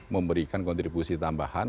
memberikan kontribusi tambahan